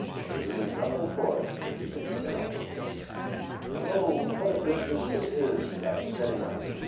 There is really nothing for it but to get up. But, oh, what a business it is, that getting up!